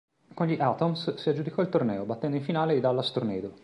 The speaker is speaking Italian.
Con gli "Atoms" si aggiudicò il torneo, battendo in finale i Dallas Tornado.